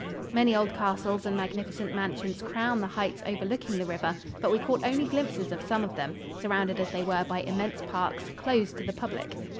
Many old castles and magnificent mansions crown the heights overlooking the river, but we caught only glimpses of some of them, surrounded as they were by immense parks, closed to the public.